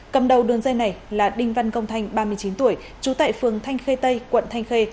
cầm đầu đường dây này là đinh văn công thanh ba mươi chín tuổi trú tại phường thanh khê tây quận thanh khê